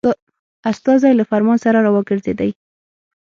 استازی له فرمان سره را وګرځېدی.